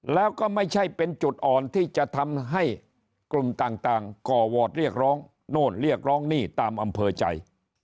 แล้วก็ไม่ใช่เป็นจุดอ่อนที่จะทำให้กลุ่มต่างก่อวอร์ดเรียกร้องโน่นเรียกร้องหนี้ตามอำเภอใจ